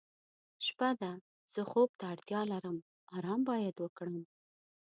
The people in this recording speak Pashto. شپه ده زه خوب ته اړتیا لرم آرام باید وکړم.